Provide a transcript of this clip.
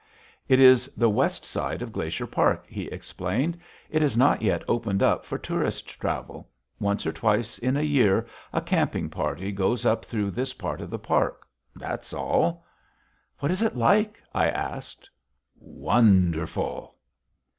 "It is the west side of Glacier Park," he explained. "It is not yet opened up for tourist travel. Once or twice in a year, a camping party goes up through this part of the park. That is all." "What is it like?" I asked. "Wonderful!"